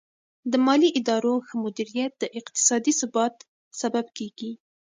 د مالي ادارو ښه مدیریت د اقتصادي ثبات سبب کیږي.